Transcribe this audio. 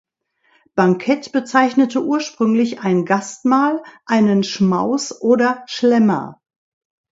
Bankett bezeichnete ursprünglich ein Gastmahl, einen „Schmaus“ oder „Schlämmer“.